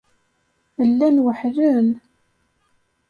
Llan weḥḥlen.